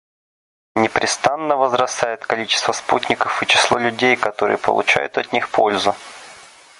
Непрестанно возрастает количество спутников и число людей, которые получают от них пользу.